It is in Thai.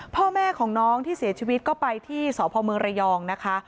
พ่อแม่ของน้องที่เสียชีวิตก็ไปที่สพเมืองระยองนะคะ